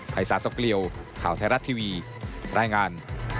ภายศาสตร์สกเรียวข่าวไทยรัฐทีวีรายงาน